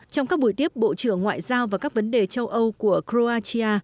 trong các buổi tiếp bộ trưởng ngoại giao và các vấn đề châu âu của croatia